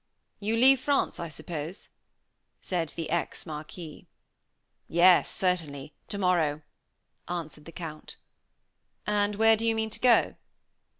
"You leave France, I suppose?" said the ex Marquis. "Yes, certainly, tomorrow," answered the Count. "And where do you mean to go?"